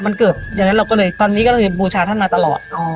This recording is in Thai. มันเกิดอย่างนั้นเราก็เลยตอนนี้ก็เลยบูชาท่านมาตลอด